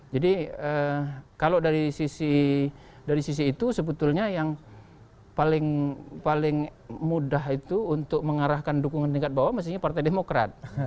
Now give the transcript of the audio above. jadi kalau dari sisi itu sebetulnya yang paling mudah itu untuk mengarahkan dukungan tingkat bawah mestinya partai demokrat